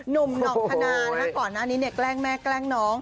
นุ่มนอกทนานะคะก่อนอันนี้เนี่ยแกล้งแม่แกล้งน้อง